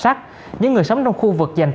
ơ tẩn nó vô đi